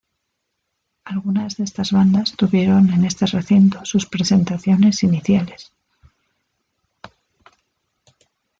Algunas de estas bandas tuvieron en este recinto sus presentaciones iniciales.